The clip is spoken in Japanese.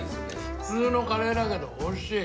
普通のカレーだけどおいしい。